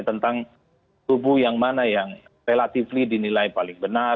tentang tubuh yang mana yang relatifly dinilai paling benar